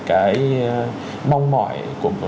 cái mong mỏi của